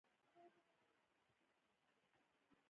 ښځې په زوټه غوټۍ وويل.